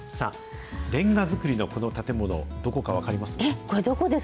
れんが造りのこの建物、どこか分かります？